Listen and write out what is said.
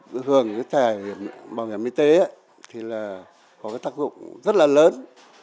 được hưởng cái thẻ bảo hiểm y tế thì là có cái tác dụng rất là lớn